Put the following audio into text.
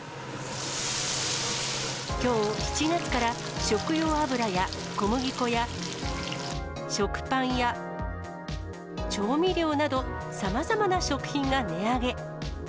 きょう、７月から食用油や小麦粉や食パンや調味料など、さまざまな食品が値上げ。